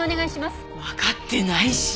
わかってないし。